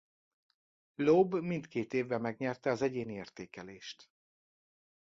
Loeb mindkét évben megnyerte az egyéni értékelést.